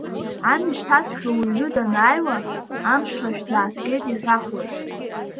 Амышьҭацәгьа уҩны данааиуа амшра шәзаазгеит иҳәахуеит.